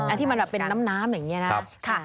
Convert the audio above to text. ที่มันแบบเป็นน้ำอย่างนี้นะ